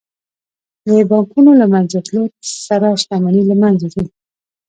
د بانکونو له منځه تلو سره شتمني له منځه ځي